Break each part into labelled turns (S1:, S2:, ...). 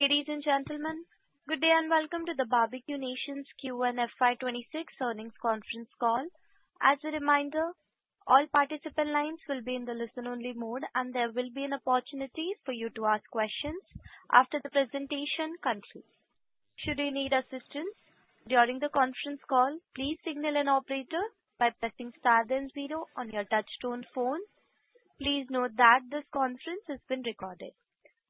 S1: Ladies and gentlemen, good day and welcome to theBarbeque Nation's Q1 FY26 earnings conference call. As a reminder, all participant lines will be in the listen-only mode, and there will be an opportunity for you to ask questions after the presentation concludes. Should you need assistance during the conference call, please signal an operator by pressing star then zero on your touch-tone phone. Please note that this conference has been recorded.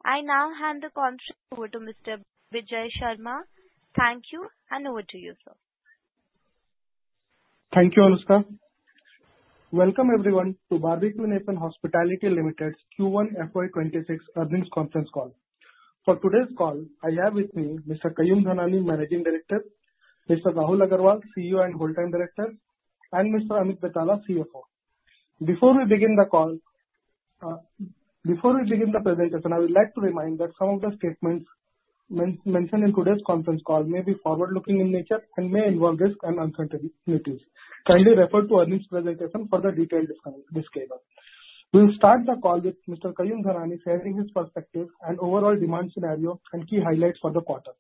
S1: I now hand the conference over to Mr. Vijay Sharma. Thank you, and over to you, sir.
S2: Thank you, Anushka. Welcome everyone to Barbeque Nation Hospitality Limited Q1 FY26 earnings conference call. For today's call, I have with me Mr. Kayum Dhanani, Managing Director; Mr. Rahul Agrawal, CEO and Whole Time Director; and Mr. Amit Betala, CFO. Before we begin the call, before we begin the presentation, I would like to remind that some of the statements mentioned in today's conference call may be forward-looking in nature and may involve risk and uncertainties. Kindly refer to earnings presentation for the detailed disclaimer. We'll start the call with Mr. Kayum Dhanani sharing his perspective and overall demand scenario and key highlights for the quarter.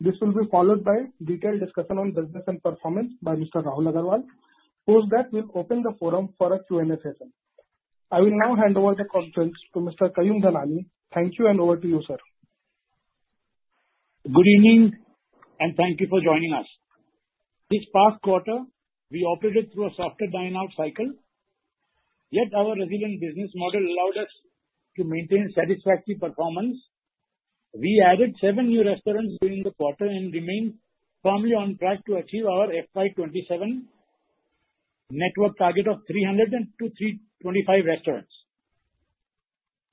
S2: This will be followed by a detailed discussion on business and performance by Mr. Rahul Agrawal, post that we'll open the forum for a Q&A session. I will now hand over the conference to Mr. Kayum Dhanani. Thank you, and over to you, sir.
S3: Good evening, and thank you for joining us. This past quarter, we operated through a soft dine-out cycle. Yet, our resilient business model allowed us to maintain satisfactory performance. We added seven new restaurants during the quarter and remain firmly on track to achieve our FY27 network target of 325 restaurants. We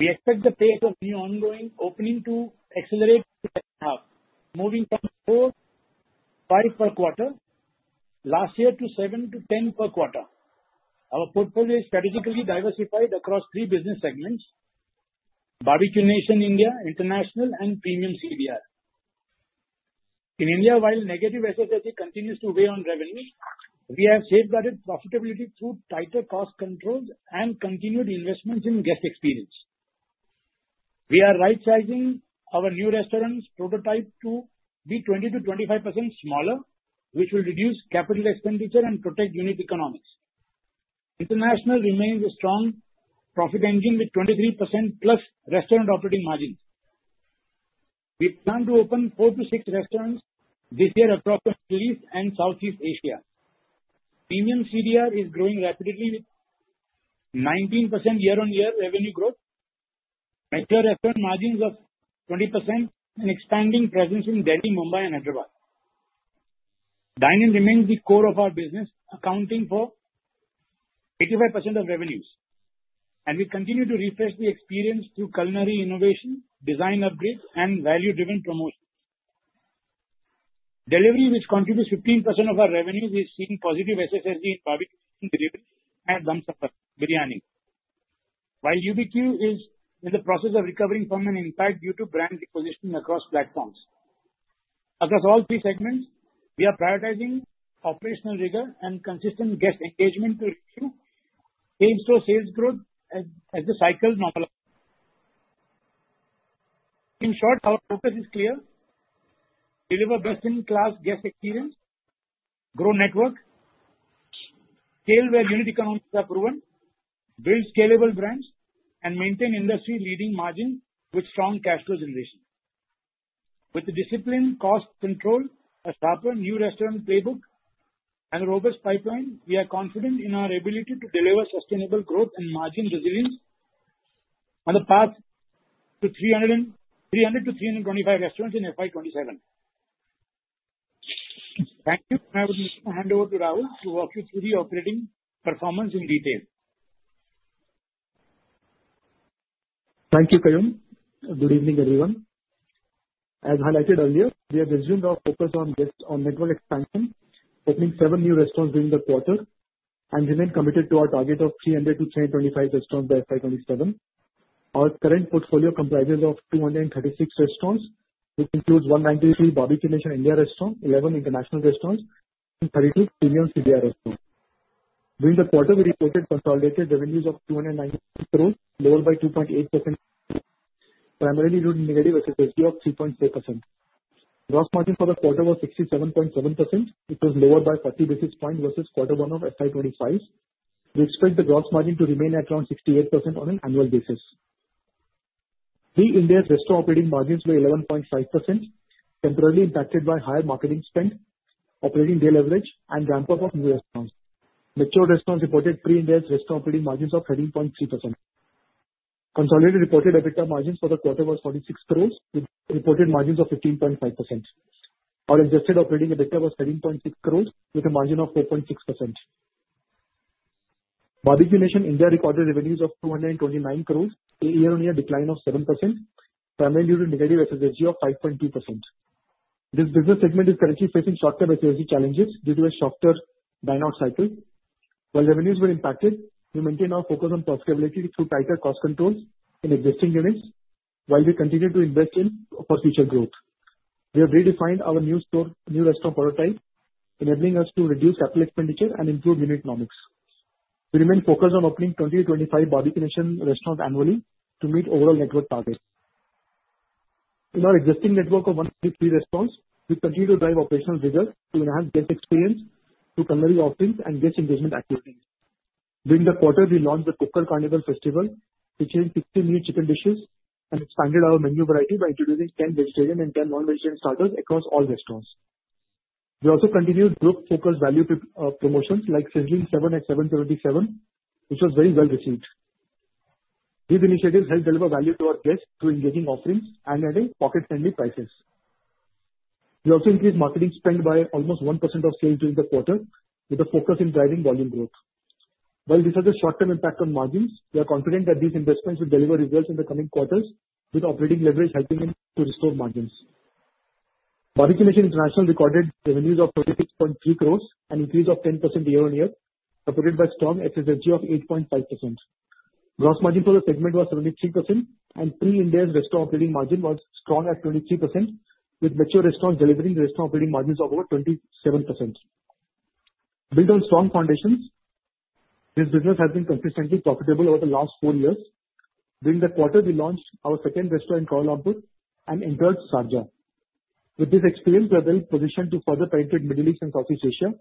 S3: expect the pace of new ongoing opening to accelerate to moving from four to five per quarter last year to seven to 10 per quarter. Our portfolio is strategically diversified across three business segments: Barbeque Nation India, international, and premium CDR. In India, while negative SSSG continues to weigh on revenue, we have safeguarded profitability through tighter cost controls and continued investments in guest experience. We are right-sizing our new restaurant prototype to be 20%-25% smaller, which will reduce capital expenditure and protect unit economics. International remains a strong profit engine with 23% plus restaurant operating margins. We plan to open four to six restaurants this year across the Middle East and Southeast Asia. Premium CDR is growing rapidly with 19% year-on-year revenue growth, regular restaurant margins of 20%, and expanding presence in Delhi, Mumbai, and Hyderabad. Dining remains the core of our business, accounting for 85% of revenues. We continue to refresh the experience through culinary innovation, design upgrades, and value-driven promotions. Delivery, which contributes 15% of our revenues, is seeing positive SSSG in Barbeque delivery and Dum Safar Biryani, while UBQ is in the process of recovering from an impact due to brand repositioning across platforms. Across all three segments, we are prioritizing operational rigor and consistent guest engagement to keep in-store sales growth as the cycle normalizes. In short, our focus is clear: deliver best-in-class guest experience, grow network, scale where unit economics are proven, build scalable brands, and maintain industry-leading margins with strong cash flow generation. With discipline, cost control, a sharper new restaurant playbook, and a robust pipeline, we are confident in our ability to deliver sustainable growth and margin resilience on the path to 300-325 restaurants in FY27. Thank you, and I would like to hand over to Rahul to walk you through the operating performance in detail.
S2: Thank you, Kaiyum. Good evening, everyone. As highlighted earlier, we have resumed our focus on network expansion, opening seven new restaurants during the quarter, and remained committed to our target of 300 to 325 restaurants by FY27. Our current portfolio comprises 236 restaurants, which includes 193 Barbeque Nation India restaurants, 11 international restaurants, and 32 premium CDR restaurants. During the quarter, we reported consolidated revenues of 296 crore, lowered by 2.8%, primarily due to negative SSSG of 3.4%. Gross margin for the quarter was 67.7%, which was lowered by 40 basis points versus quarter one of FY25. We expect the gross margin to remain at around 68% on an annual basis. Pre-Ind AS restaurant operating margins were 11.5%, temporarily impacted by higher marketing spend, operating day leverage, and ramp-up of new restaurants. Mature restaurants reported pre-Ind AS restaurant operating margins of 13.3%. Consolidated reported EBITDA margins for the quarter were 46 crore, with reported margins of 15.5%. Our adjusted operating EBITDA was 13.6 crore, with a margin of 4.6%. Barbeque Nation India recorded revenues of 229 crore, a year-on-year decline of 7%, primarily due to negative SSSG of 5.2%. This business segment is currently facing short-term SSSG challenges due to a shorter dine-out cycle. While revenues were impacted, we maintained our focus on profitability through tighter cost controls in existing units, while we continued to invest in for future growth. We have redefined our new restaurant prototype, enabling us to reduce capital expenditure and improve unit economics. We remain focused on opening 20 to 25 Barbeque Nation restaurants annually to meet overall network targets. In our existing network of 133 restaurants, we continue to drive operational rigor to enhance guest experience, to culinary offerings, and guest engagement activities. During the quarter, we launched the Kukdookoo Carnival Festival, which is 16 new chicken dishes, and expanded our menu variety by introducing 10 vegetarian and 10 non-vegetarian starters across all restaurants. We also continued group focus value promotions like Sizzling 7 at 737, which was very well received. These initiatives helped deliver value to our guests through engaging offerings and adding pocket-friendly prices. We also increased marketing spend by almost 1% of sales during the quarter, with a focus in driving volume growth. While this has a short-term impact on margins, we are confident that these investments will deliver results in the coming quarters, with operating leverage helping to restore margins. Barbeque Nation International recorded revenues of 36.3 crore and an increase of 10% year-on-year, supported by strong SSSG of 8.5%. Gross margin for the segment was 73%, and pre-IndAS restaurant operating margin was strong at 23%, with mature restaurants delivering restaurant operating margins of over 27%. Built on strong foundations, this business has been consistently profitable over the last four years. During the quarter, we launched our second restaurant in Kuala Lumpur and entered Sharjah. With this experience, we are well positioned to further penetrate the Middle East and Southeast Asia.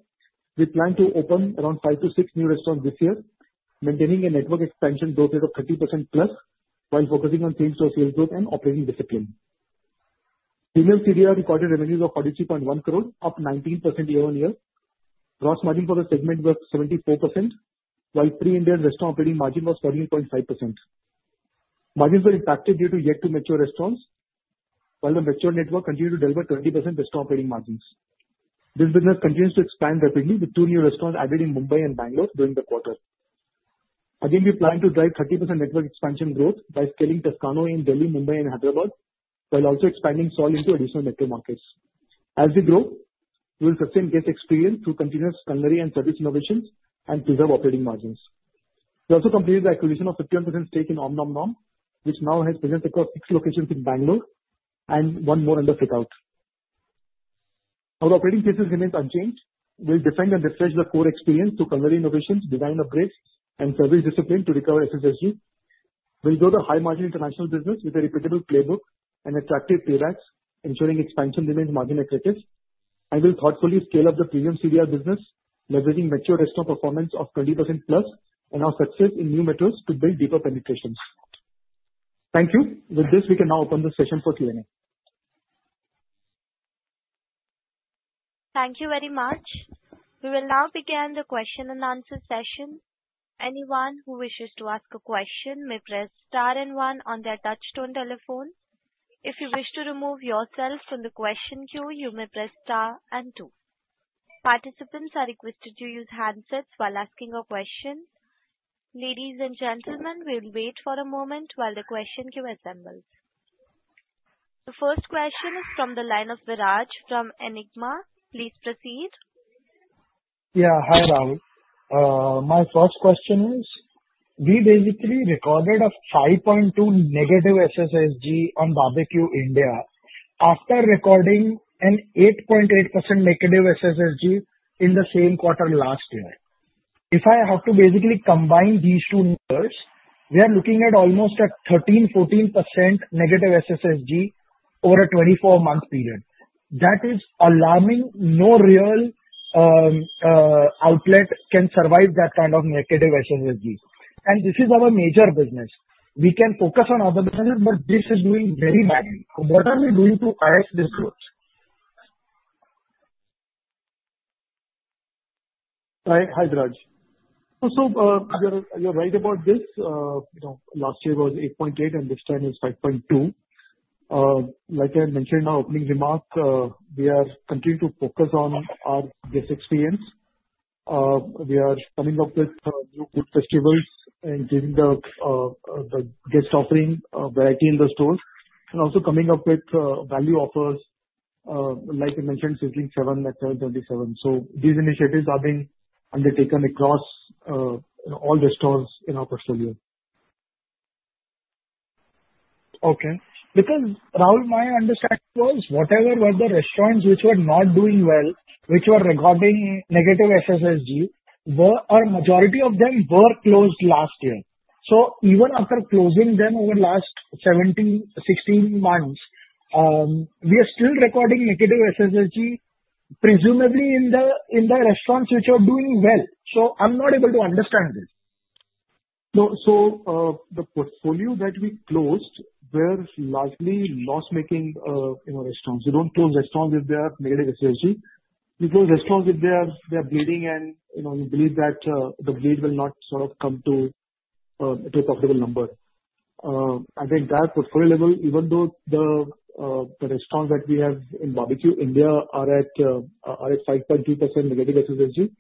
S2: We plan to open around five to six new restaurants this year, maintaining a network expansion growth rate of 30% plus, while focusing on same-store sales growth and operating discipline. Premium CDR recorded revenues of 43.1 crore, up 19% year-on-year. Gross margin for the segment was 74%, while pre-IndAS restaurant operating margin was 14.5%. Margins were impacted due to yet-to-mature restaurants, while the mature network continued to deliver 20% restaurant operating margins. This business continues to expand rapidly, with two new restaurants added in Mumbai and Bangalore during the quarter. Again, we plan to drive 30% network expansion growth by scaling Toscano in Delhi, Mumbai, and Hyderabad, while also expanding Salt into additional network markets. As we grow, we will sustain guest experience through continuous culinary and service innovations and preserve operating margins. We also completed the acquisition of a 51% stake in Om Nom Nom, which now has presence across six locations in Bangalore and one more under fit-out. Our operating basis remains unchanged. We will defend and refresh the core experience through culinary innovations, design upgrades, and service discipline to recover SSSG. We'll grow the high-margin international business with a reputable playbook and attractive paybacks, ensuring expansion remains margin-attractive. We'll thoughtfully scale up the premium CDR business, leveraging mature restaurant performance of 20% plus and our success in new methods to build deeper penetrations. Thank you. With this, we can now open the session for Q&A.
S1: Thank you very much. We will now begin the question-and-answer session. Anyone who wishes to ask a question may press star and one on their touch-tone telephone. If you wish to remove yourself from the question queue, you may press star and two. Participants are requested to use handsets while asking a question. Ladies and gentlemen, we'll wait for a moment while the question queue assembles. The first question is from the line of Viraj from Equirus. Please proceed.
S4: Yeah, hi, Rahul. My first question is, we basically recorded a 5.2 negative SSSG on Barbeque Nation after recording an 8.8% negative SSSG in the same quarter last year. If I have to basically combine these two numbers, we are looking at almost 13-14% negative SSSG over a 24-month period. That is alarming. No real outlet can survive that kind of negative SSSG. And this is our major business. We can focus on other businesses, but this is doing very badly. What are we doing to address this growth?
S2: Hi, Viraj. So you're right about this. Last year was 8.8, and this time it's 5.2. Like I mentioned in our opening remark, we are continuing to focus on our guest experience. We are coming up with new food festivals and giving the guest offering a variety in the stores, and also coming up with value offers, like I mentioned, Sizzling 7 at 7:37. So these initiatives are being undertaken across all restaurants in our portfolio.
S4: Okay. Because, Rahul, my understanding was whatever were the restaurants which were not doing well, which were recording negative SSSG, our majority of them were closed last year, so even after closing them over the last 17, 16 months, we are still recording negative SSSG, presumably in the restaurants which are doing well, so I'm not able to understand this.
S2: So the portfolio that we closed was largely loss-making restaurants. We don't close restaurants if they are negative SSSG. We close restaurants if they are bleeding, and we believe that the bleed will not sort of come to a profitable number. I think that portfolio level, even though the restaurants that we have in Barbeque Nation are at 5.2% negative SSSG,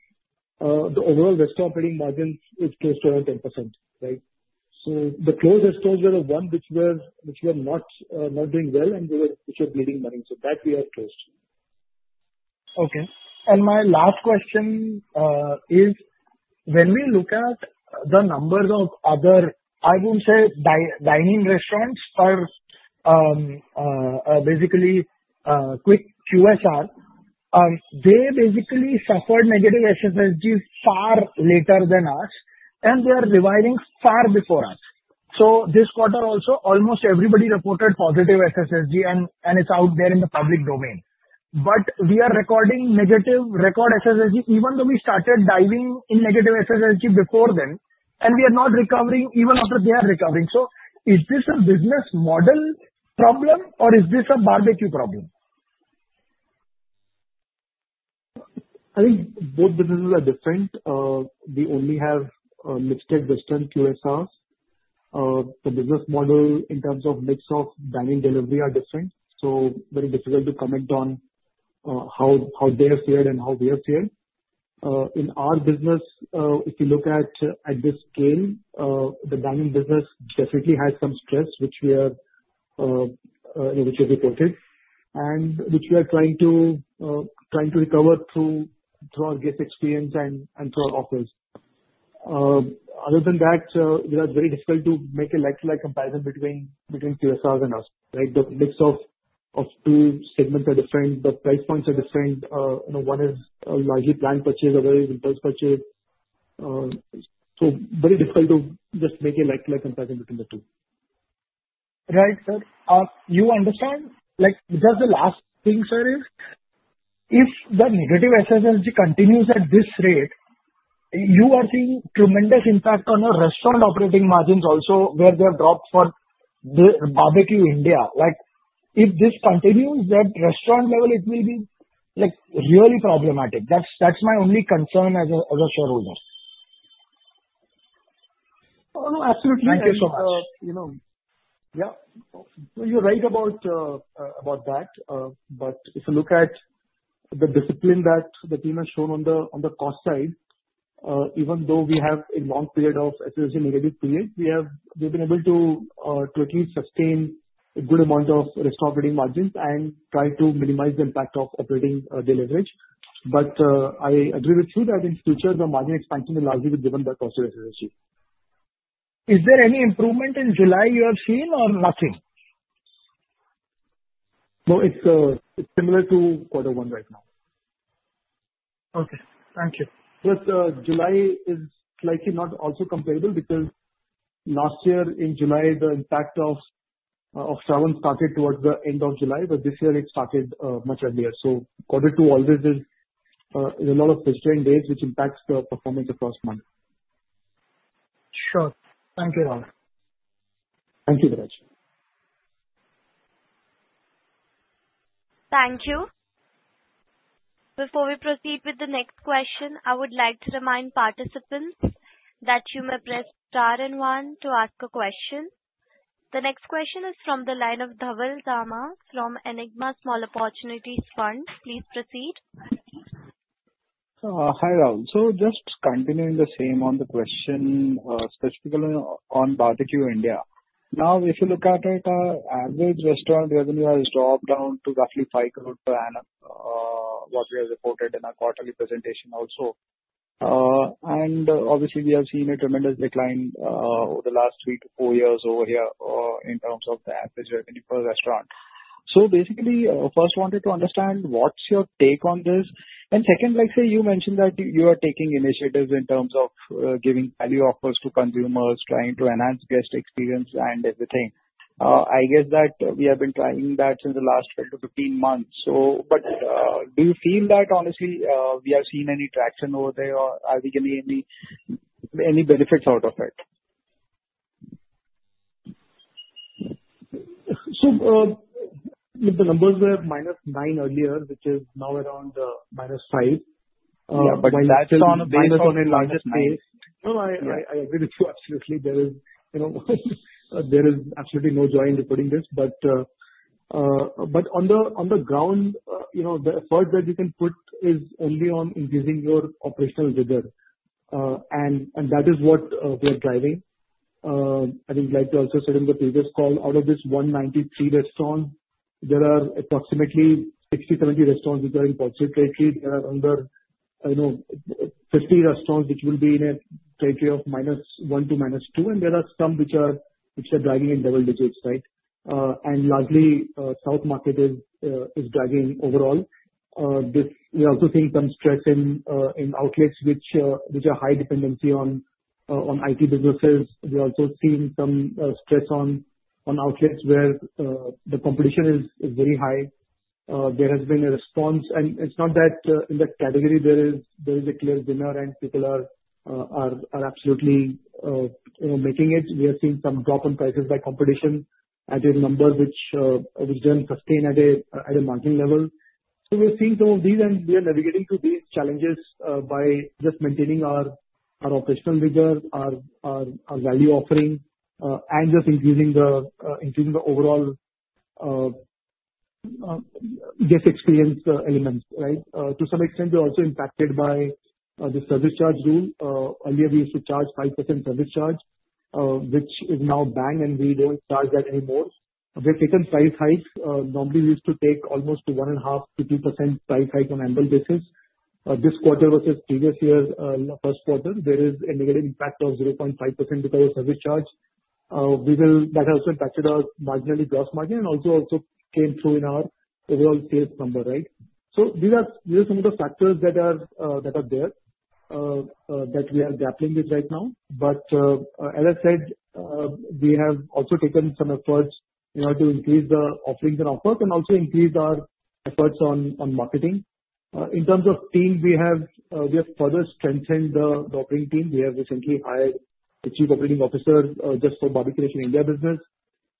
S2: the overall restaurant operating margin is close to around 10%, right? So the closed restaurants were the ones which were not doing well and which were bleeding money. So that we have closed.
S4: Okay, and my last question is, when we look at the numbers of other, I would say, dining restaurants or basically quick QSR, they basically suffered negative SSSG far later than us, and they are revising far before us, so this quarter also, almost everybody reported positive SSSG, and it's out there in the public domain, but we are recording negative record SSSG, even though we started diving in negative SSSG before then, and we are not recovering even after they are recovering, so is this a business model problem, or is this a Barbeque problem?
S2: I think both businesses are different. We only have mixed-type restaurant QSRs. The business model in terms of mix of dining delivery is different. So very difficult to comment on how they have fared and how we have fared. In our business, if you look at this scale, the dining business definitely has some stress, which we have reported and which we are trying to recover through our guest experience and through our offers. Other than that, it was very difficult to make a like-to-like comparison between QSRs and us, right? The mix of two segments is different. The price points are different. One is largely planned purchase, other is impulse purchase. So very difficult to just make a like-to-like comparison between the two.
S4: Right, sir. You understand? Just the last thing, sir, is if the negative SSSG continues at this rate, you are seeing tremendous impact on our restaurant operating margins also, where they have dropped for Barbeque Nation. If this continues at restaurant level, it will be really problematic. That's my only concern as a shareholder.
S2: Absolutely. Thank you so much. Yeah. You're right about that. But if you look at the discipline that the team has shown on the cost side, even though we have a long period of SSSG negative period, we have been able to at least sustain a good amount of restaurant operating margins and try to minimize the impact of operating delivery. I agree with you that in the future, the margin expansion will largely be driven by cost of SSSG.
S4: Is there any improvement in July you have seen, or nothing?
S2: No, it's similar to quarter one right now.
S4: Okay. Thank you.
S2: But July is likely not also comparable because last year in July, the impact of travel started towards the end of July, but this year it started much earlier. So quarter two always is a lot of restrained days, which impacts the performance across months.
S4: Sure. Thank you, Rahul.
S2: Thank you, Viraj.
S1: Thank you. Before we proceed with the next question, I would like to remind participants that you may press star and one to ask a question. The next question is from the line of Dhaval Dama from Equirus. Please proceed.
S5: Hi, Rahul. So just continuing the same on the question, specifically on Barbeque India. Now, if you look at it, our average restaurant revenue has dropped down to roughly 5 crore per annum, what we have reported in our quarterly presentation also. And obviously, we have seen a tremendous decline over the last three to four years over here in terms of the average revenue per restaurant. So basically, I first wanted to understand what's your take on this. And second, like you mentioned that you are taking initiatives in terms of giving value offers to consumers, trying to enhance guest experience and everything. I guess that we have been trying that since the last 12 to 15 months. But do you feel that, honestly, we have seen any traction over there, or are we getting any benefits out of it? The numbers were -9% earlier, which is now around -5%.
S2: Yeah, but that is minus on a larger scale.
S5: No, I agree with you, absolutely. There is absolutely no joy in reporting this. But on the ground, the effort that you can put is only on increasing your operational rigor. And that is what we are driving. I think, like you also said in the previous call, out of this 193 restaurants, there are approximately 60-70 restaurants which are in positive territory. There are under 50 restaurants which will be in a territory of minus 1 to minus 2, and there are some which are driving in double digits, right? And largely, the south market is driving overall. We are also seeing some stress in outlets which are high dependency on IT businesses. We are also seeing some stress on outlets where the competition is very high.
S2: There has been a response, and it's not that in the category there is a clear winner, and people are absolutely making it. We are seeing some drop in prices by competition at a number which doesn't sustain at a margin level. So we're seeing some of these, and we are navigating through these challenges by just maintaining our operational rigor, our value offering, and just increasing the overall guest experience elements, right? To some extent, we're also impacted by the service charge rule. Earlier, we used to charge 5% service charge, which is now banned, and we don't charge that anymore. We have taken price hikes. Normally, we used to take almost 1.5%-2% price hike on an annual basis. This quarter versus previous year, first quarter, there is a negative impact of 0.5% because of service charge. That has also impacted our marginal gross margin and also came through in our overall sales number, right? So these are some of the factors that are there that we are grappling with right now. But as I said, we have also taken some efforts to increase the offerings and offers and also increase our efforts on marketing. In terms of team, we have further strengthened the operating team. We have recently hired a chief operating officer just for Barbeque Nation India business.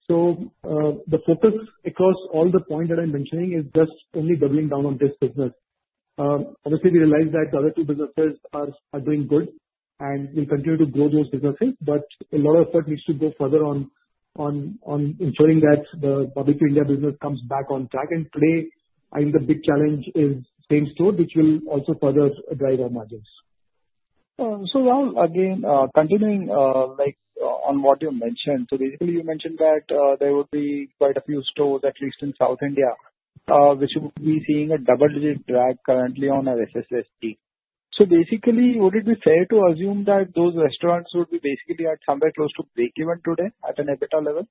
S2: So the focus across all the points that I'm mentioning is just only doubling down on this business. Obviously, we realize that the other two businesses are doing good, and we'll continue to grow those businesses, but a lot of effort needs to go further on ensuring that the Barbeque India business comes back on track.
S5: Today, I think the big challenge is same store, which will also further drive our margins. So, Rahul, again, continuing on what you mentioned, so basically, you mentioned that there would be quite a few stores, at least in South India, which would be seeing a double-digit drag currently on our SSSG. So basically, would it be fair to assume that those restaurants would be basically at somewhere close to breakeven today at an EBITDA level?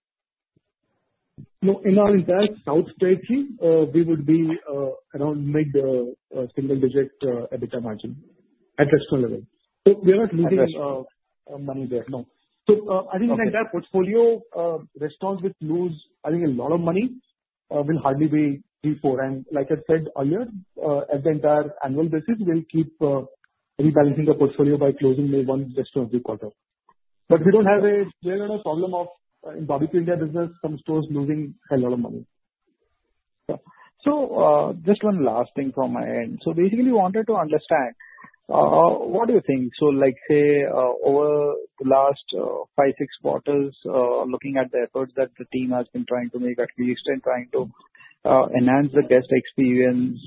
S2: No, in our entire south territory, we would be around mid-single-digit EBITDA margin at restaurant level. So we are not losing money there, no. So I think in the entire portfolio, restaurants which lose, I think, a lot of money will hardly be three, four. And like I said earlier, at the entire annual basis, we'll keep rebalancing the portfolio by closing maybe one restaurant every quarter. But we don't have a clear problem of, in Barbeque India business, some stores losing a lot of money. So just one last thing from my end. So basically, we wanted to understand what do you think? So say, over the last five, six quarters, looking at the efforts that the team has been trying to make at least and trying to enhance the guest experience,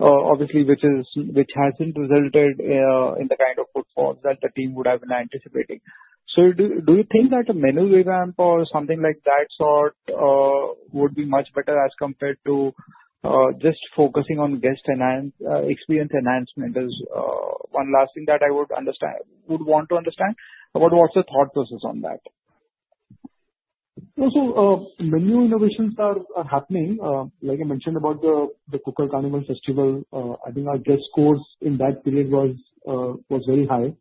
S2: obviously, which hasn't resulted in the kind of footfalls that the team would have been anticipating. So do you think that a menu revamp or something like that sort would be much better as compared to just focusing on guest experience enhancement? There's one last thing that I would want to understand about what's the thought process on that? Menu innovations are happening. Like I mentioned about the Kukdookoo Carnival Festival, I think our guest scores in that period were very high.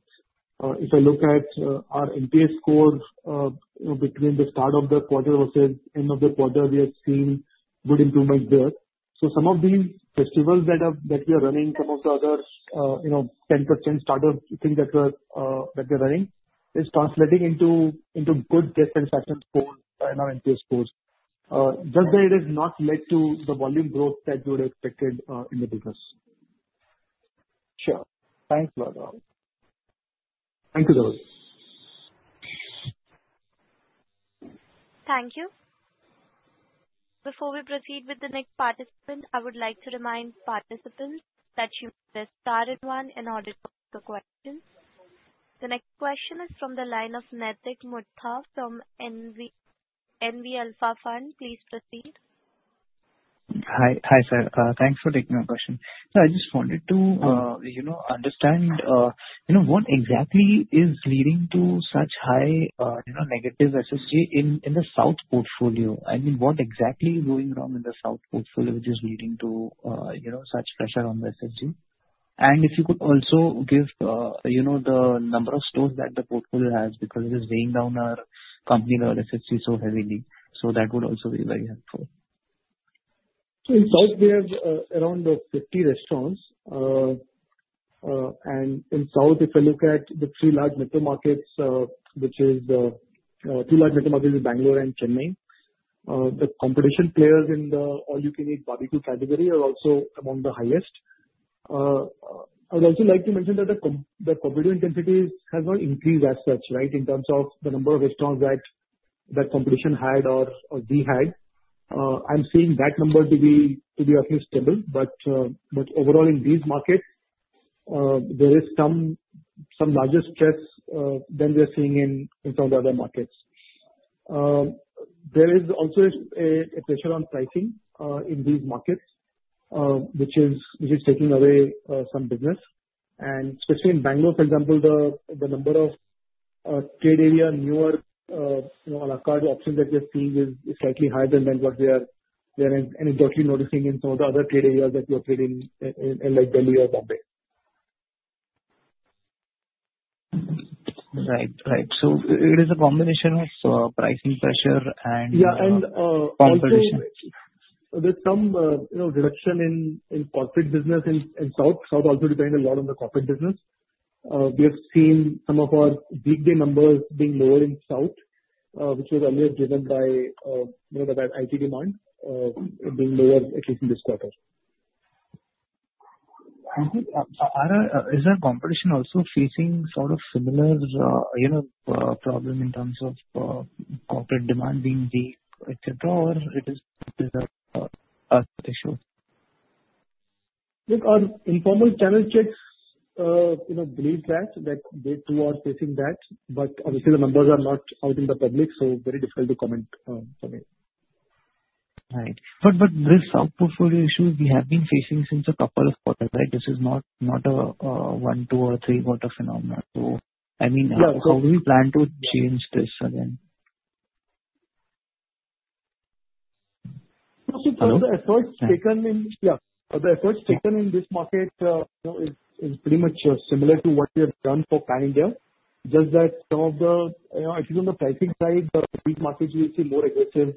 S2: If I look at our NPS score between the start of the quarter versus end of the quarter, we have seen good improvements there. Some of these festivals that we are running, some of the other 10% startup things that we're running, is translating into good guest satisfaction scores in our NPS scores. Just that it has not led to the volume growth that we would have expected in the business.
S5: Sure. Thanks a lot, Rahul.
S2: Thank you, Dhaval.
S1: Thank you. Before we proceed with the next participant, I would like to remind participants that you may press star and one in order to ask a question. The next question is from the line of Nitik Mukta from NV Alpha Fund. Please proceed.
S6: Hi, sir. Thanks for taking my question. So I just wanted to understand what exactly is leading to such high negative SSSG in the south portfolio? I mean, what exactly is going wrong in the south portfolio which is leading to such pressure on the SSSG? And if you could also give the number of stores that the portfolio has because it is weighing down our company level SSSG so heavily, so that would also be very helpful.
S2: So in the South, we have around 50 restaurants. And in the South, if I look at the three large metro markets, which is the two large metro markets in Bangalore and Chennai, the competition players in the all-you-can-eat Barbeque category are also among the highest. I would also like to mention that the competition intensity has not increased as such, right, in terms of the number of restaurants that competition had or we had. I'm seeing that number to be at least stable. But overall, in these markets, there is some larger stress than we are seeing in some of the other markets. There is also a pressure on pricing in these markets, which is taking away some business. Especially in Bangalore, for example, the number of trade area, newer à la carte options that we are seeing is slightly higher than what we are anecdotally noticing in some of the other trade areas that we are trading in, like Delhi or Bombay.
S6: Right, right. So it is a combination of pricing pressure and competition.
S2: Yeah, and there's some reduction in corporate business in South. South also depends a lot on the corporate business. We have seen some of our weekday numbers being lower in South, which was earlier driven by that IT demand being lower, at least in this quarter.
S6: Thank you. So is there a competition also facing sort of similar problem in terms of corporate demand being weak, etc., or is it an issue?
S2: Look, our informal channel checks believe that they too are facing that. But obviously, the numbers are not out in the public, so very difficult to comment for me.
S6: Right. But this south portfolio issue we have been facing since a couple of quarters, right? This is not a one, two, or three-quarter phenomenon. So I mean, how do we plan to change this again?
S2: So the effort taken in this market is pretty much similar to what we have done for Pan India, just that some of the, at least on the pricing side, these markets will see more aggressive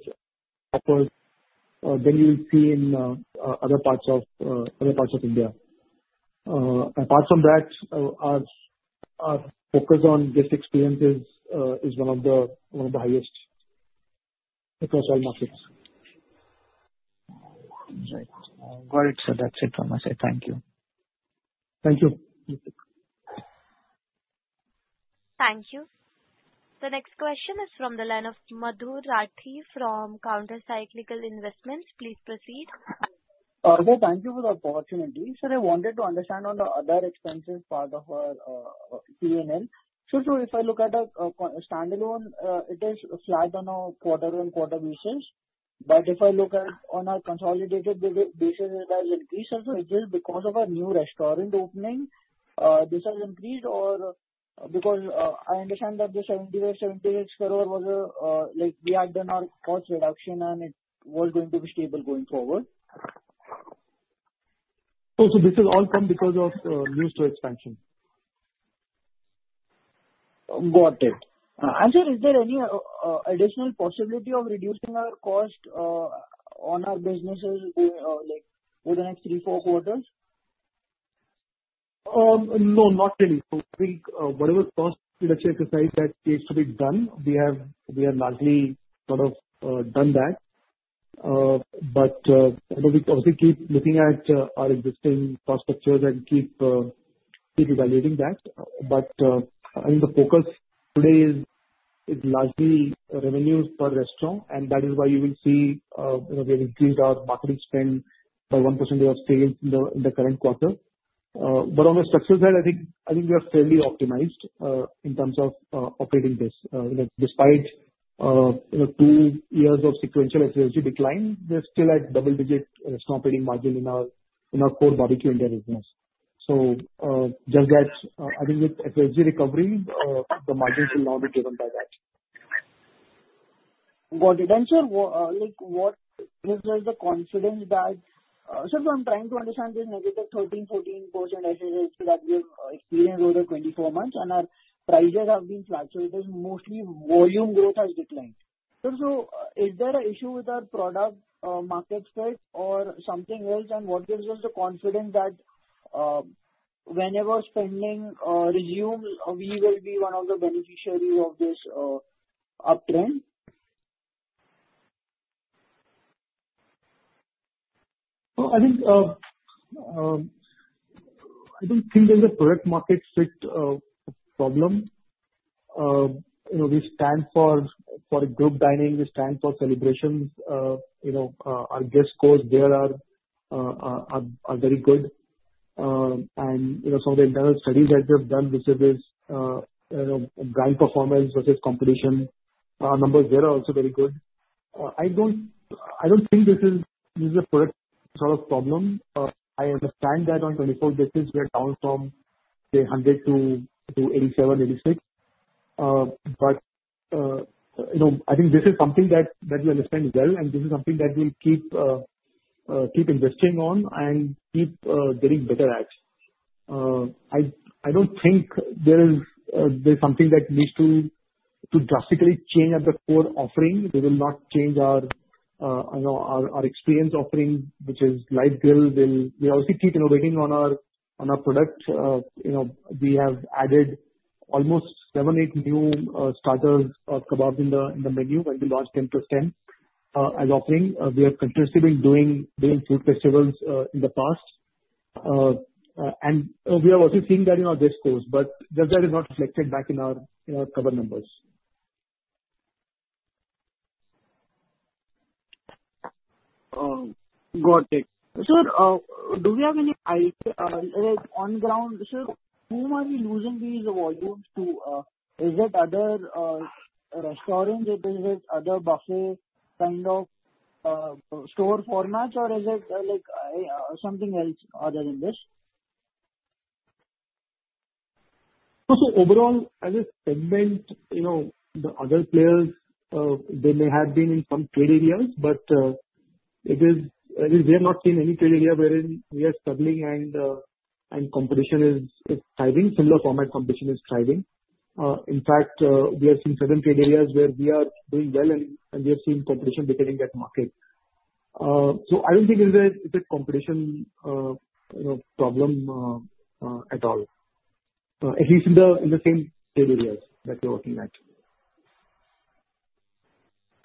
S2: offers than you will see in other parts of India. Apart from that, our focus on guest experience is one of the highest across all markets.
S6: Right. All right. So that's it from my side. Thank you.
S2: Thank you.
S1: Thank you. The next question is from the line of Madhur Rathi from Countercyclical Investments. Please proceed.
S7: Thank you for the opportunity. So I wanted to understand on the other expense part of our P&L. So if I look at a standalone, it is flat on a quarter-on-quarter basis. But if I look at on a consolidated basis, it has increased. And so is this because of a new restaurant opening? This has increased because I understand that the 75-76 per hour was that we had done our cost reduction, and it was going to be stable going forward.
S2: This is all come because of new store expansion.
S7: Got it. And sir, is there any additional possibility of reducing our cost on our businesses over the next three, four quarters?
S2: No, not really. Whatever cost reduction exercise that needs to be done, we have largely sort of done that. But we obviously keep looking at our existing cost structures and keep evaluating that. But I think the focus today is largely revenues per restaurant, and that is why you will see we have increased our marketing spend by 1% of sales in the current quarter. But on the structural side, I think we are fairly optimized in terms of operating this. Despite two years of sequential SSSG decline, we're still at double-digit restaurant operating margin in our core Barbeque India business. So just that, I think with SSSG recovery, the margins will now be driven by that.
S7: Got it. And sir, is there the confidence that so I'm trying to understand this -13%-14% SSSG that we have experienced over 24 months, and our prices have been fluctuated mostly volume growth has declined. So is there an issue with our product market fit or something else? And what gives us the confidence that whenever spending resumes, we will be one of the beneficiaries of this uptrend?
S2: I don't think there's a product market fit problem. We stand for a group dining. We stand for celebrations. Our guest scores there are very good, and some of the internal studies that we have done visitors brand performance versus competition, our numbers there are also very good. I don't think this is a product sort of problem. I understand that on NPS basis, we are down from, say, 100 to 87, 86, but I think this is something that we understand well, and this is something that we'll keep investing on and keep getting better at. I don't think there is something that needs to drastically change at the core offering. We will not change our experience offering, which is live grill. We obviously keep innovating on our product. We have added almost seven, eight new starters of kebabs in the menu when we launched 10% as offering. We have continuously been doing food festivals in the past. We are also seeing that in our guest scores, but just that is not reflected back in our cover numbers.
S7: Got it. So do we have any on-ground? So whom are we losing these volumes to? Is it other restaurants? Is it other buffet kind of store formats? Or is it something else other than this?
S2: So overall, as a segment, the other players, they may have been in some trade areas, but we have not seen any trade area wherein we are struggling and competition is thriving. Similar format competition is thriving. In fact, we have seen certain trade areas where we are doing well, and we have seen competition declining at market. So I don't think it's a competition problem at all, at least in the same trade areas that we're working at.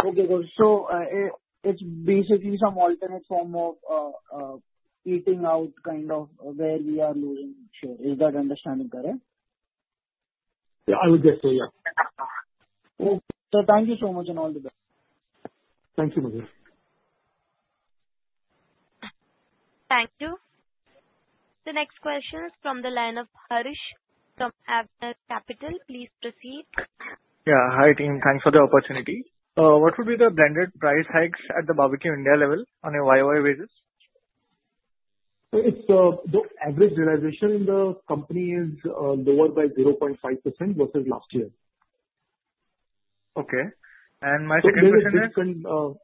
S7: Okay. So it's basically some alternate form of eating out kind of where we are losing share. Is that understanding correct?
S2: Yeah, I would just say, yeah.
S7: Okay, so thank you so much and all the best.
S2: Thank you, Madhu.
S1: Thank you. The next question is from the line of Harish from Avenir Capital. Please proceed.
S8: Yeah. Hi, team. Thanks for the opportunity. What would be the blended price hikes at the Barbeque India level on a YY basis?
S2: The average realization in the company is lower by 0.5% versus last year.
S8: Okay, and my second question is.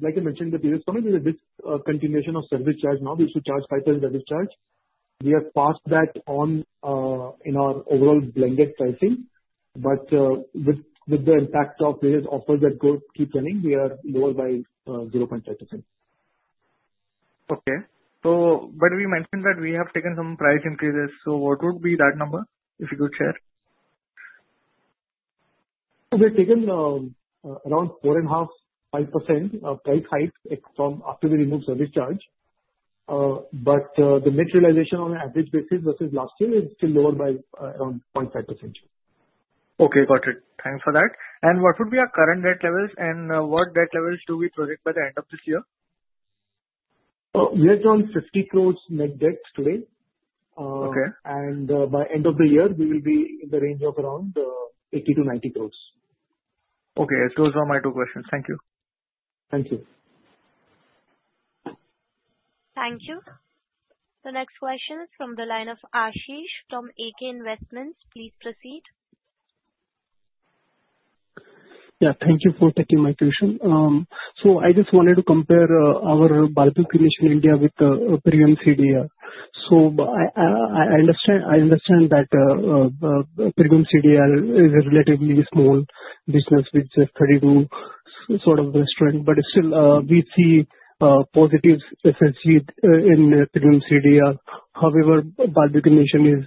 S2: Like I mentioned in the previous comment, there is a discontinuation of service charge now. We used to charge 5% service charge. We have passed that on in our overall blended pricing. But with the impact of various offers that keep running, we are lower by 0.5%.
S8: Okay. But we mentioned that we have taken some price increases. So what would be that number, if you could share?
S2: We've taken around 4.5% price hikes after we removed service charge. But the net realization on an average basis versus last year is still lower by around 0.5%.
S8: Okay. Got it. Thanks for that. And what would be our current debt levels? And what debt levels do we project by the end of this year?
S2: We are around 50 crores net debt today, and by end of the year, we will be in the range of around 80-90 crores.
S8: Okay. Those are my two questions. Thank you.
S2: Thank you.
S1: Thank you. The next question is from the line of Ashish from A.K. Investments. Please proceed.
S9: Yeah. Thank you for taking my question. So I just wanted to compare our Barbeque Nation India with Premium CDL. So I understand that Premium CDL is a relatively small business with just 32 sort of restaurants. But still, we see positive SSSG in Premium CDL. However, Barbeque Nation is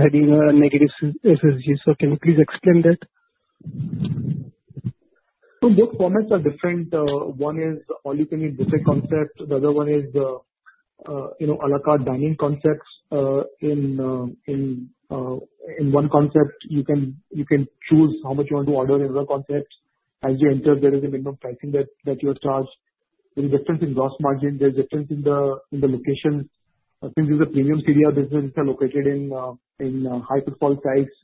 S9: having a negative SSSG. So can you please explain that?
S2: Both formats are different. One is all-you-can-eat buffet concept. The other one is the à la carte dining concept. In one concept, you can choose how much you want to order in one concept. As you enter, there is a minimum pricing that you are charged. There is a difference in gross margin. There is a difference in the location. Since this is a Premium CDR business, we are located in high-profile sites,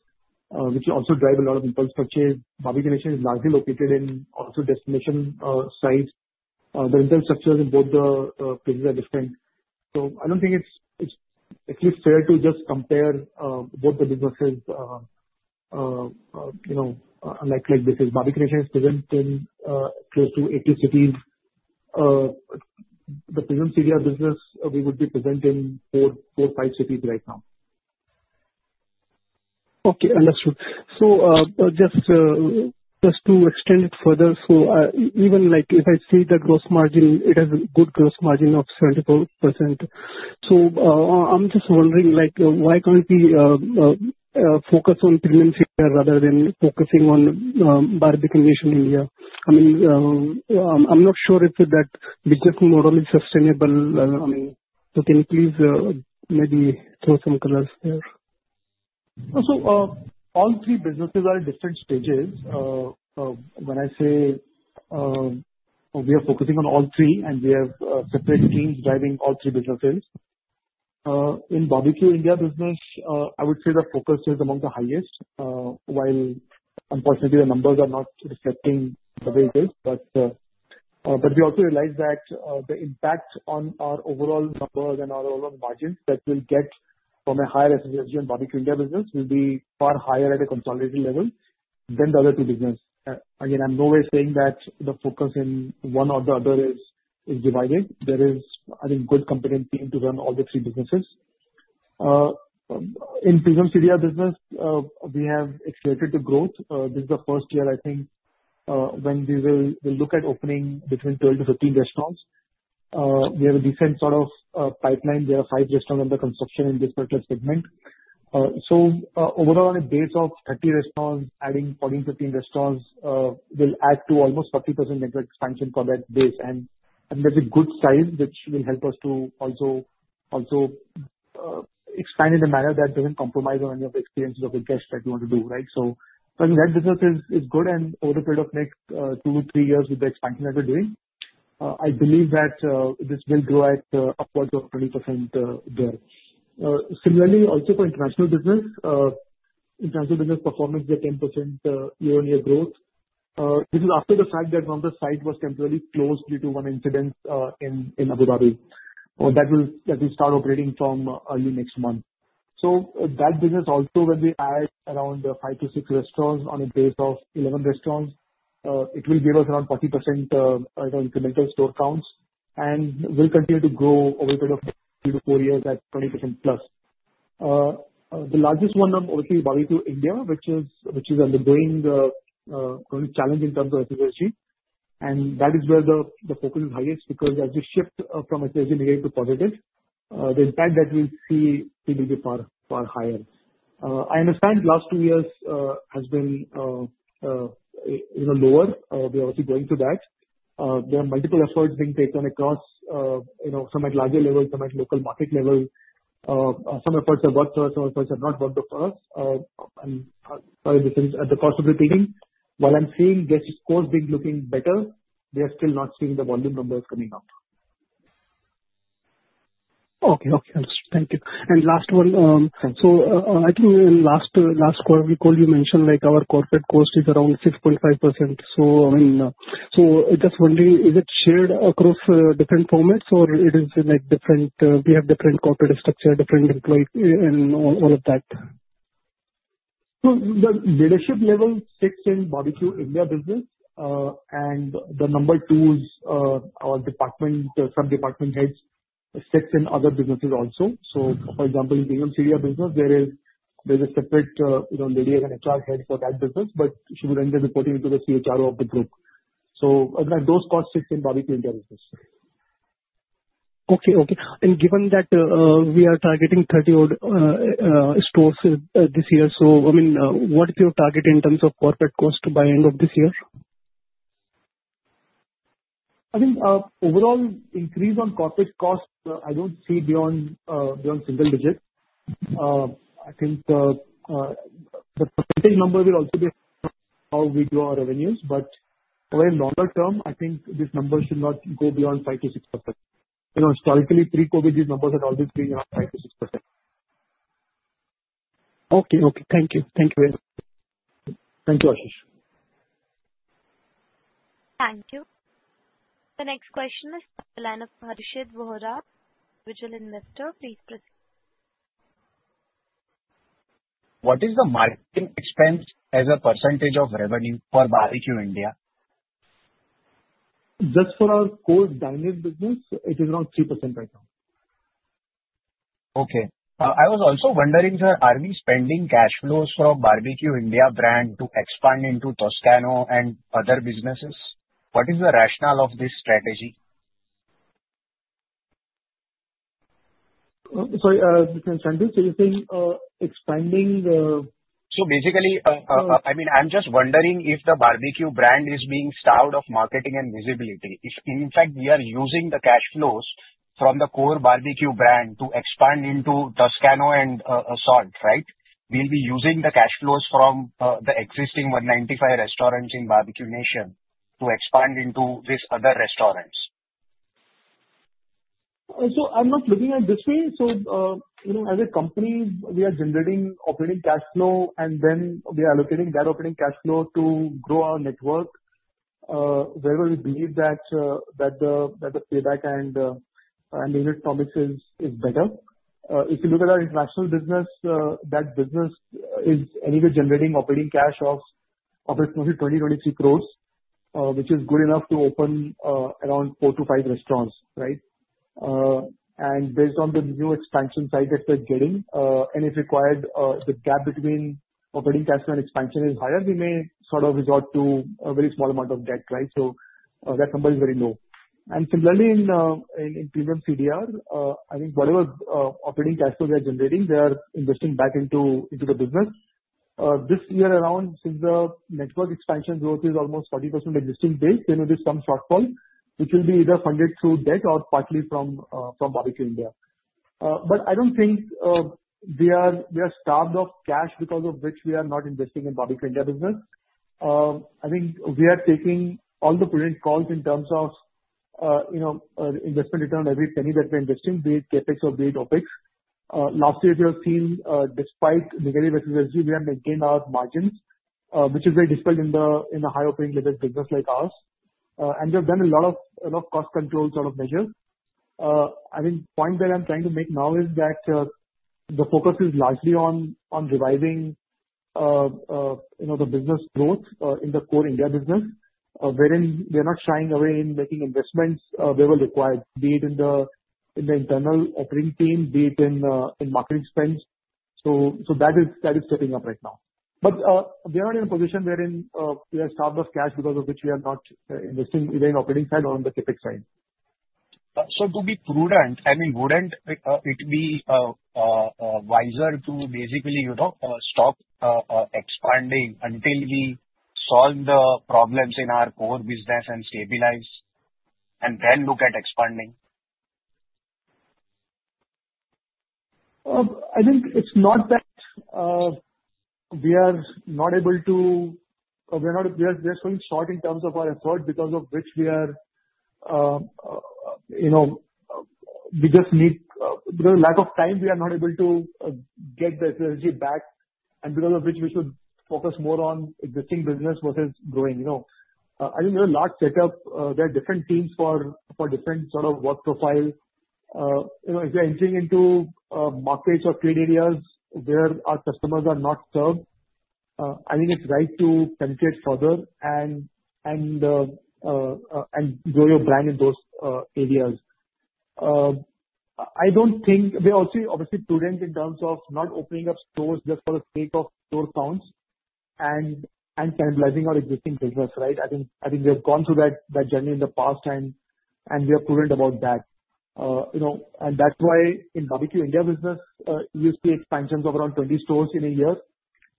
S2: which also drive a lot of impulse purchase. Barbeque Nation is largely located in also destination sites. The rental structures in both the places are different. So I don't think it's at least fair to just compare both the businesses like this is. Barbeque Nation is present in close to 80 cities. The Premium CDR business, we would be present in four, five cities right now.
S9: Okay. Understood. So just to extend it further, so even if I see the gross margin, it has a good gross margin of 74%. So I'm just wondering, why can't we focus on premium CDR rather than focusing on Barbeque Nation India? I mean, I'm not sure if that business model is sustainable. I mean, so can you please maybe throw some colors there?
S2: So all three businesses are at different stages. When I say we are focusing on all three, and we have separate teams driving all three businesses, in Barbeque India business, I would say the focus is among the highest, while unfortunately, the numbers are not reflecting the way it is. But we also realize that the impact on our overall numbers and our overall margins that we'll get from a higher SSSG and Barbeque India business will be far higher at a consolidated level than the other two businesses. Again, I'm no way saying that the focus in one or the other is divided. There is, I think, a good competent team to run all the three businesses. In Premium CDR business, we have accelerated the growth. This is the first year, I think, when we will look at opening between 12-15 restaurants. We have a decent sort of pipeline. We have five restaurants under construction in this particular segment. So overall, on a base of 30 restaurants, adding 14-15 restaurants will add to almost 40% network expansion for that base. And I think that's a good size, which will help us to also expand in a manner that doesn't compromise on any of the experiences of the guests that we want to do, right? So I think that business is good. And over the period of next two to three years with the expansion that we're doing, I believe that this will grow at upwards of 20% there. Similarly, also for international business, international business performance is at 10% year-on-year growth. This is after the fact that one of the sites was temporarily closed due to one incident in Abu Dhabi. That will start operating from early next month. So that business, also when we add around 5-6 restaurants on a base of 11 restaurants, it will give us around 40% incremental store counts. And we'll continue to grow over the period of 3-4 years at 20% plus. The largest one I'm working is Barbeque Nation, which is undergoing challenges in terms of SSSG. And that is where the focus is highest because as we shift from SSSG negative to positive, the impact that we see will be far higher. I understand the last two years has been lower. We are also going to that. There are multiple efforts being taken across some at larger level, some at local market level. Some efforts have worked for us. Some efforts have not worked for us. And sorry, this is at the cost of repeating. While I'm seeing guest scores being looking better, we are still not seeing the volume numbers coming up.
S9: Okay. Okay. Understood. Thank you. And last one. So I think in last quarter we call, you mentioned our corporate cost is around 6.5%. So I mean, so just wondering, is it shared across different formats or it is different? We have different corporate structure, different employees, and all of that.
S2: So the leadership level sits in Barbeque India business. And the number two is our department, sub-department heads sits in other businesses also. So for example, in Premium CDL business, there is a separate lady as an HR head for that business, but she would end up reporting into the CHRO of the group. So those costs sit in Barbeque India business.
S9: Okay. Okay. And given that we are targeting 30-odd stores this year, so I mean, what is your target in terms of corporate cost by end of this year?
S2: I think overall increase on corporate cost. I don't see beyond single digits. I think the percentage number will also be how we do our revenues. But over a longer term, I think this number should not go beyond 5%-6%. Historically, pre-COVID, these numbers had always been around 5%-6%.
S9: Okay. Okay. Thank you. Thank you very much.
S2: Thank you, Ashish.
S1: Thank you. The next question is from the line of Harshit Bohra, individual investor. Please proceed.
S10: What is the marketing expense as a % of revenue for Barbeque Nation?
S2: Just for our core dining business, it is around 3% right now.
S10: Okay. I was also wondering if there are any spending cash flows from Barbeque Nation brand to expand into Toscano and other businesses. What is the rationale of this strategy?
S2: Sorry, Mr. Sandhu, so you're saying expanding the.
S10: So basically, I mean, I'm just wondering if the Barbeque brand is being starved of marketing and visibility. If in fact we are using the cash flows from the core Barbeque brand to expand into Toscano and Salt, right? We'll be using the cash flows from the existing 195 restaurants in Barbeque Nation to expand into these other restaurants.
S2: So I'm not looking at it this way. So as a company, we are generating operating cash flow, and then we are allocating that operating cash flow to grow our network wherever we believe that the payback and the unit promise is better. If you look at our international business, that business is anyway generating operating cash of approximately 20-23 crore, which is good enough to open around four to five restaurants, right? And based on the new expansion sites that we're getting, and if required, the gap between operating cash flow and expansion is higher, we may sort of resort to a very small amount of debt, right? So that number is very low. And similarly, in Premium CDR, I think whatever operating cash flow they are generating, they are investing back into the business. This year around, since the network expansion growth is almost 40% existing base, there may be some shortfall, which will be either funded through debt or partly from Barbeque Nation. But I don't think we are starved of cash because of which we are not investing in Barbeque Nation business. I think we are taking all the prudent calls in terms of investment return on every penny that we're investing, be it CAPEX or be it OPEX. Last year, we have seen, despite negative SSSG, we have maintained our margins, which is very difficult in a high-opening level business like ours. And we have done a lot of cost control sort of measures. I think the point that I'm trying to make now is that the focus is largely on reviving the business growth in the core India business, wherein we are not shying away in making investments where we're required, be it in the internal operating team, be it in marketing spend. So that is stepping up right now. But we are not in a position wherein we are starved of cash because of which we are not investing either in operating side or on the CAPEX side.
S10: So to be prudent, I mean, wouldn't it be wiser to basically stop expanding until we solve the problems in our core business and stabilize, and then look at expanding?
S2: I think it's not that we are not able to. We are just going short in terms of our effort because of which we just need because of lack of time, we are not able to get the SSSG back, and because of which we should focus more on existing business versus growing. I think there are large setups. There are different teams for different sort of work profiles. If you're entering into markets or trade areas where our customers are not served, I think it's right to penetrate further and grow your brand in those areas. I don't think we are also obviously prudent in terms of not opening up stores just for the sake of store counts and cannibalizing our existing business, right? I think we have gone through that journey in the past, and we are prudent about that. That's why in Barbeque India business, you see expansions of around 20 stores in a year,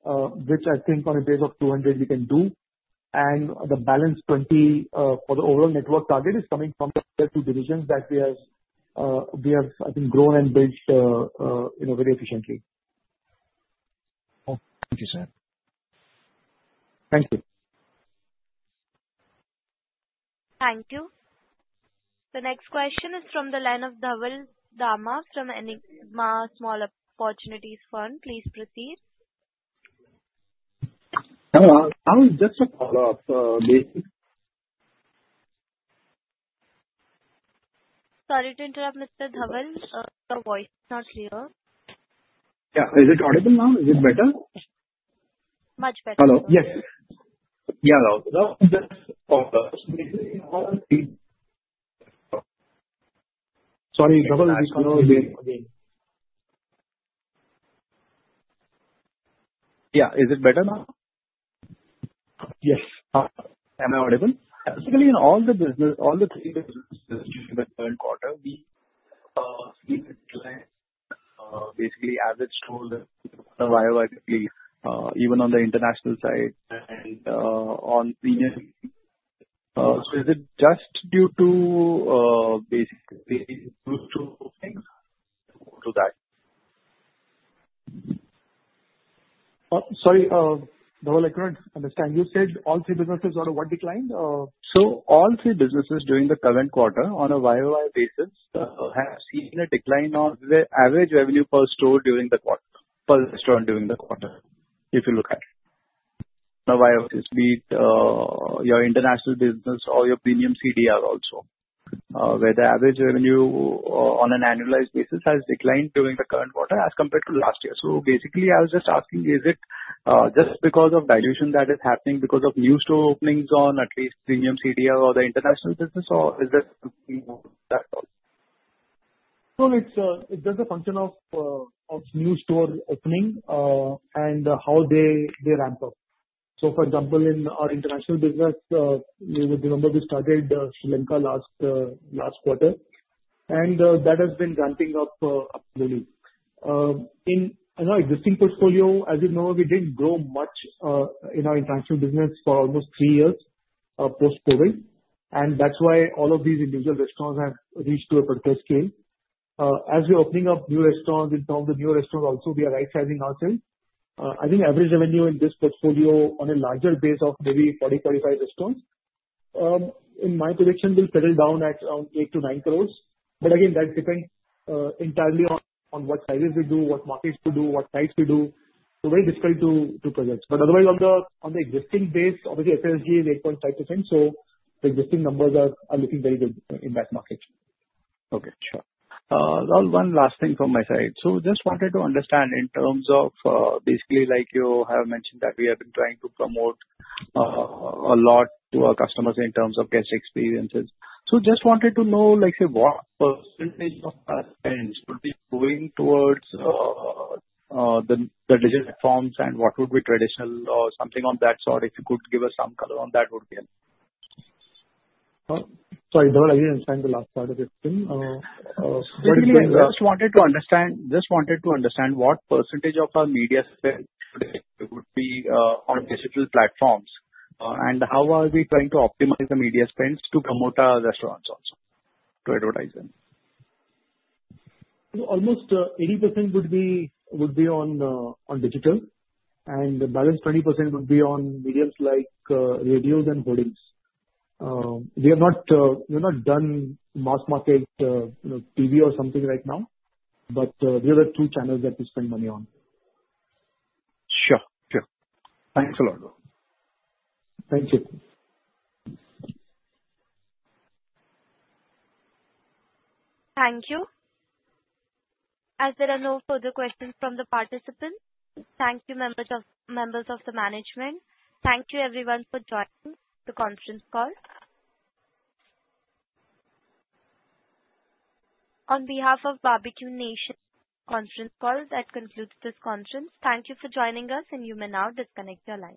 S2: which I think on a base of 200, we can do. The balance 20 for the overall network target is coming from the two divisions that we have, I think, grown and built very efficiently.
S10: Thank you, sir.
S2: Thank you.
S1: Thank you. The next question is from the line of Dhaval Dama from Enigma Small Opportunities Fund. Please proceed.
S2: Dhaval, just a follow-up.
S1: Sorry to interrupt, Mr. Dhaval. The voice is not clear.
S5: Yeah. Is it audible now? Is it better?
S2: Much better. Hello. Yes. Yeah, hello. Sorry, Dhaval, you slow again.
S5: Yeah. Is it better now?
S2: Yes.
S5: Am I audible? Basically, in all the business, all the three businesses during the current quarter, we see basically average store viability, even on the international side and on delivery. So is it just due to basically those two things? To that.
S10: Sorry, Dhaval, I couldn't understand. You said all three businesses sort of what declined? So all three businesses during the current quarter on a YoY basis have seen a decline of the average revenue per store during the quarter, per restaurant during the quarter, if you look at it. Now, whether it be your international business or your Premium CDR also, where the average revenue on an annualized basis has declined during the current quarter as compared to last year. So basically, I was just asking, is it just because of dilution that is happening because of new store openings on at least Premium CDR or the international business, or is there something more to that?
S2: It does a function of new store opening and how they ramp up. For example, in our international business, you would remember we started Sri Lanka last quarter, and that has been ramping up really. In our existing portfolio, as you know, we didn't grow much in our international business for almost three years post-COVID. That's why all of these individual restaurants have reached to a particular scale. As we're opening up new restaurants, in terms of the new restaurants also, we are right-sizing ourselves. I think average revenue in this portfolio on a larger base of maybe 40-45 restaurants, in my prediction, will settle down at around 8-9 crores. Again, that depends entirely on what sizes we do, what markets we do, what types we do. Very difficult to predict. Otherwise, on the existing base, obviously, SSSG is 8.5%. So the existing numbers are looking very good in that market.
S5: Okay. Sure. One last thing from my side. So just wanted to understand in terms of basically, like you have mentioned that we have been trying to promote a lot to our customers in terms of guest experiences. So just wanted to know, like I say, what percentage of spend should be going towards the digital forms and what would be traditional or something on that sort? If you could give us some color on that, would be helpful.
S2: Sorry, Dhaval, I didn't understand the last part of your question.
S7: Basically, we just wanted to understand what percentage of our media spend would be on digital platforms, and how are we trying to optimize the media spend to promote our restaurants also, to advertise them?
S2: Almost 80% would be on digital, and the balance 20% would be on mediums like radios and holdings. We have not done mass market TV or something right now, but these are the two channels that we spend money on.
S5: Sure. Sure. Thanks a lot.
S2: Thank you.
S1: Thank you. Are there no further questions from the participants? Thank you, members of the management. Thank you, everyone, for joining the conference call. On behalf of Barbeque Nation Conference Call, that concludes this conference. Thank you for joining us, and you may now disconnect your line.